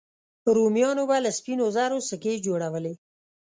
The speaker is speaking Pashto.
رومیانو به له سپینو زرو سکې جوړولې